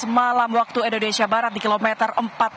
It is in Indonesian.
malam waktu indonesia barat di kilometer empat puluh lima